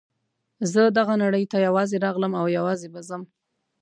زه دغه نړۍ ته یوازې راغلم او یوازې به ځم.